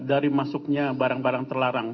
dari masuknya barang barang terlarang